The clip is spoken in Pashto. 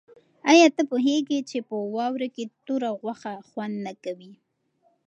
آیا ته پوهېږې چې په واوره کې توره غوښه خوند نه کوي؟